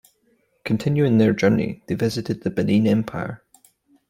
Continuing their journey, they visited the Benin Empire.